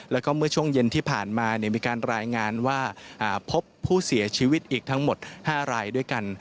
แล้วก็เมื่อช่วงเย็นที่ผ่านมามีการรายงานว่าพบผู้เสียชีวิตอีกทั้งหมด๕รายด้วยกัน